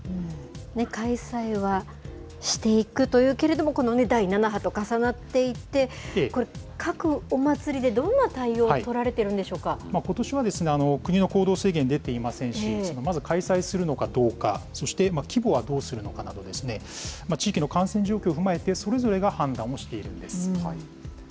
開催はしていくというけれども、この第７波と重なっていて、各お祭りでどんな対応を取られてるんことしは、国の行動制限出ていませんし、まず開催するのかどうか、そして規模はどうするのかなど、地域の感染状況を踏まえて、それぞれが判断をしているんです。